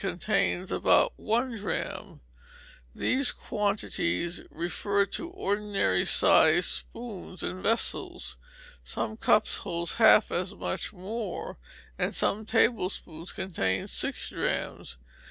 \ 1 " These quantities refer to ordinary sized spoons and vessels. Some cups hold half as much more, and some tablespoons contain six drachms.